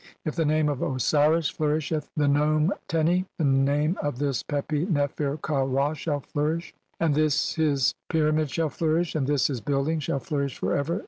If the name of Osiris flourisheth in "the nome Teni, the name of this Pepi Nefer ka Ra "shall flourish, and this his pyramid shall flourish, and "this his building shall flourish forever.